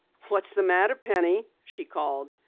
"What's the matter, Penny?" she called.